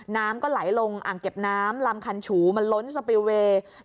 น้ำก็ไหลลงอ่างเก็บน้ำลำคันฉูมันล้นสปิลเวย์